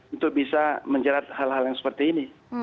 untuk bisa menjerat hal hal yang seperti ini